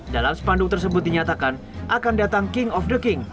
dalam spanduk tersebut dinyatakan akan datang king of the king